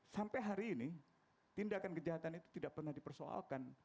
sampai hari ini tindakan kejahatan itu tidak pernah dipersoalkan